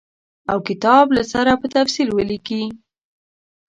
او کتاب له سره په تفصیل ولیکي.